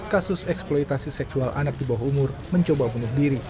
kasus eksploitasi seksual anak di bawah umur mencoba bunuh diri